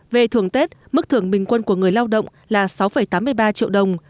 về thưởng tết mức thưởng bình quân của người lao động là sáu tám mươi ba triệu đồng